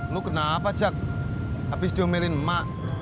lu kenapa jack habis diomelin emak